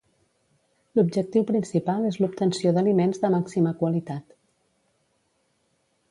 L'objectiu principal és l'obtenció d'aliments de màxima qualitat.